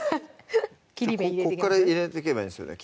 ここから入れてけばいいんですよね